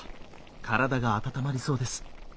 体が温まりそうです。